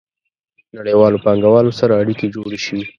نړیوالو پانګوالو سره اړیکې جوړې شي.